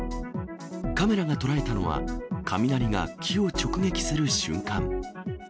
カメラが捉えたのは、雷が木を直撃する瞬間。